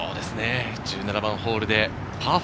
１７番ホールでパー５。